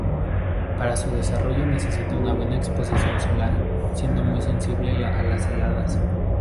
Para su desarrollo necesita una buena exposición solar, siendo muy sensible a las heladas.